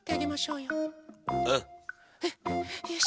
よし。